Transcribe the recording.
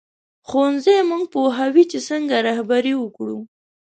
ښوونځی موږ پوهوي چې څنګه رهبري وکړو